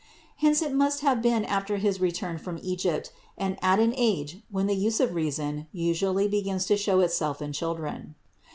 Hence it must have been after his return from Egypt, and at an age when the use of reason usually begins to show itself in children.